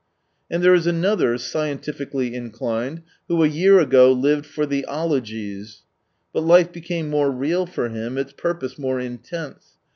And there is another, scientifically inclined, who a year ago lived for (he " 'ologies." But life became more real for him, its purpose more intense.